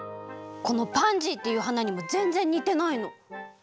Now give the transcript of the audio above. このパンジーっていうはなにもぜんぜんにてないの。